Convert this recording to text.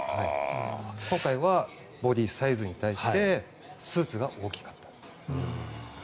今回はボディサイズに対してスーツが大きかったんです。